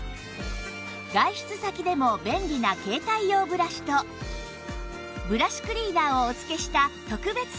外出先でも便利な携帯用ブラシとブラシクリーナーをお付けした特別セット